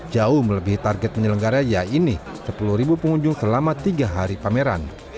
jauh melebihi target penyelenggara yaitu sepuluh pengunjung selama tiga hari pameran